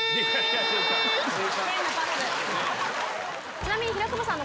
ちなみに平久保さん